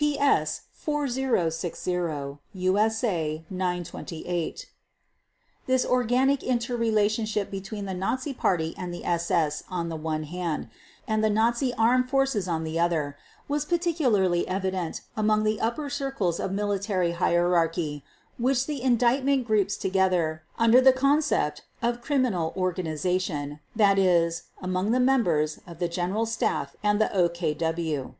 (PS 4060, USA 928) This organic inter relationship between the Nazi Party and the SS on the one hand and the Nazi Armed Forces on the other hand, was particularly evident among the upper circles of military hierarchy which the Indictment groups together under the concept of criminal organization—that is, among the members of the General Staff and the OKW.